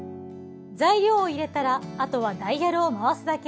材料を入れたらあとはダイヤルを回すだけ。